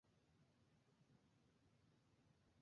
ফর্মের জন্য নতুন ক্ষেত্র, ওয়েব-সকেট, আরো শব্দার্থিক মার্কআপ।